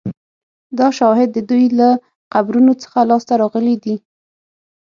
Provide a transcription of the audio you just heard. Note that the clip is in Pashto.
دا شواهد د دوی له قبرونو څخه لاسته راغلي دي